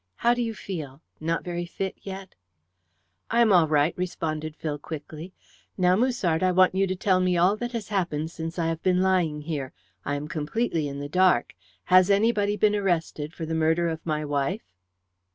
"How do you feel? Not very fit yet?" "I am all right," responded Phil quickly. "Now, Musard, I want you to tell me all that has happened since I have been lying here. I am completely in the dark. Has anybody been arrested for the murder of my wife?"